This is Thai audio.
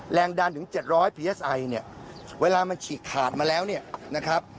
แรงดันถึง๗๐๐พีเอสไอเนี่ยเวลามันฉีกขาดมาแล้วเนี่ยนะครับ